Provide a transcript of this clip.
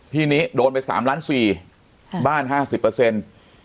ที่นี้โดนไปสามล้านสี่ค่ะบ้านห้าสิบเปอร์เซ็นต์